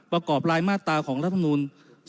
ประกอบรายมาตราของรัฐมนูล๒๕๖